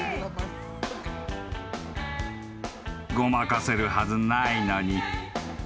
［ごまかせるはずないのに］